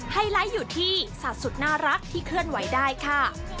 ไลท์อยู่ที่สัตว์สุดน่ารักที่เคลื่อนไหวได้ค่ะ